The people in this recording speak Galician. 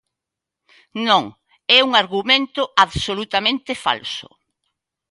Non, é un argumento absolutamente falso.